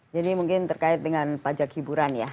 jadi mungkin terkait dengan pajak hiburan ya